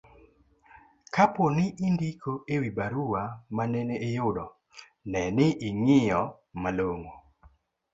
kapo ni indiko e wi barua manene iyudo, ne ni ing'iyo malong'o